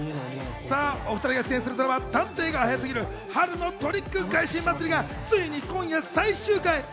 お２人が出演するドラマ『探偵が早すぎる春のトリック返し祭り』がついに今夜最終回！